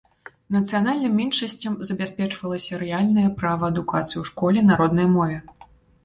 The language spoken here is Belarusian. Нацыянальным меншасцям забяспечвалася рэальнае права адукацыі ў школе на роднай мове.